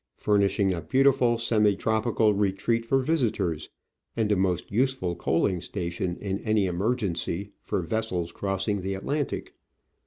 furnishing a beautiful semi tropical retreat for visitors, and a most useful coaling station in any emergency for vessels crossing the Atlantic.